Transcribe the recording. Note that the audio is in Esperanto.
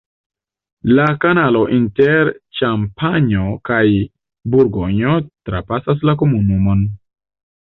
La kanalo inter Ĉampanjo kaj Burgonjo trapasas la komunumon.